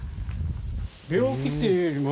病気っていうよりも。